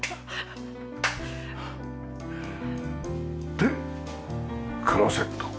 でクローゼット。